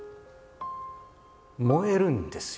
燃えるんですよ